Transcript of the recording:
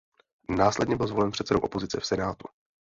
Následně byl zvolen předsedou opozice v senátu.